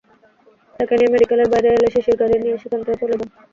তাঁকে নিয়ে মেডিকেলের বাইরে এলে শিশির গাড়ি নিয়ে সেখান থেকে চলে যান।